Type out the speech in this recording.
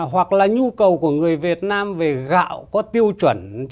hoặc là nhu cầu của người việt nam về gạo có tiêu chuẩn